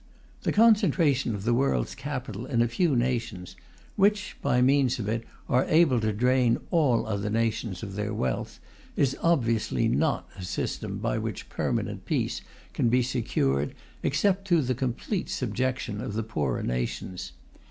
The concentration of the world's capital in a few nations, which, by means of it, are able to drain all other nations of their wealth, is obviously not a system by which permanent peace can be secured except through the complete subjection of the poorer nations.